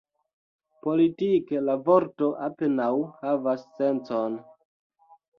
Politike, la vorto apenaŭ havas sencon.